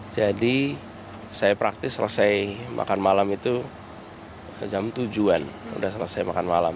jadi saya praktis selesai makan malam itu jam tujuh an sudah selesai makan malam